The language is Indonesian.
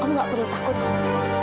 om nggak perlu takut om